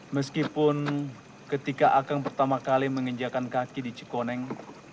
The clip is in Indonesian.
meskipun ketika akan pertama kali menginjakan kaki di cikoneng